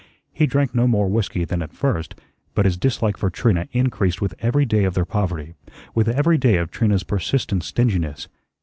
He drank no more whiskey than at first, but his dislike for Trina increased with every day of their poverty, with every day of Trina's persistent stinginess.